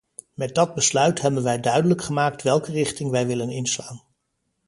Met dat besluit hebben wij duidelijk gemaakt welke richting wij willen inslaan.